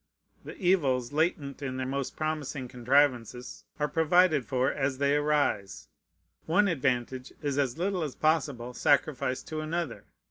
The evils latent in the most promising contrivances are provided for as they arise. One advantage is as little as possible sacrificed to another.